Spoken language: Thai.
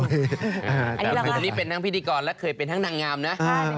อันนี้ผมนี่เป็นทั้งพิธีกรและเคยเป็นทั้งนางงามนะ